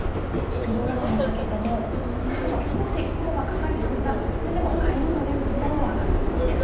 昼ごろにかけても、関東は少し雲がかかりますが、それでも晴れ間の出る所はある見込みです。